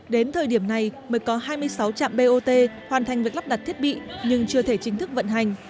đến thời điểm này mới có hai mươi sáu trạm bot hoàn thành việc lắp đặt thiết bị nhưng chưa thể chính thức vận hành